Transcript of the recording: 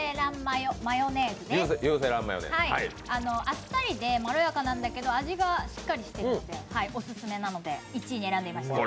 あっさりでまろやかなんだけど、味がしっかりしてるのでオススメなので１位に選んでみました。